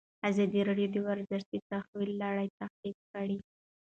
ازادي راډیو د ورزش د تحول لړۍ تعقیب کړې.